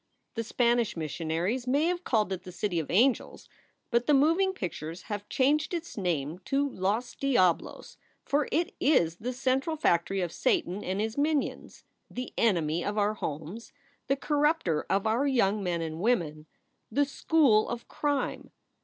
"The Spanish missionaries may have called it the City of Angels; but the moving pictures have changed its name to Los Diablos ! For it is the central factory of Satan and his minions, the enemy of our homes, the corrupter of our young men and women the school of crime.